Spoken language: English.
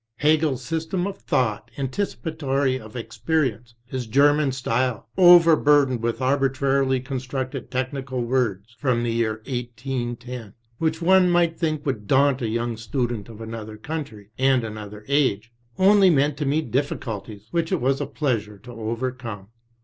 Hegel's system of thought, anticipatory of experience, his German style, overburdened with arbitrarily constructed technical words from the year 18 10, which one might think would daunt a young student of another country and another age, only meant to me difficulties which it was a pleasure to overcome.